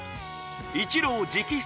イチロー直筆